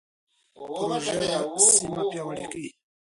پروژه سیمه پیاوړې کوي.